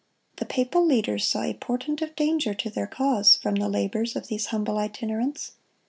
The papal leaders saw a portent of danger to their cause from the labors of these humble itinerants.